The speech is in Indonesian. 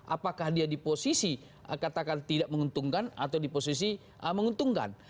apakah dia di posisi katakan tidak menguntungkan atau di posisi menguntungkan